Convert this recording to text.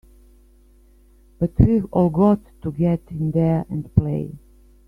But we've all got to get in there and play!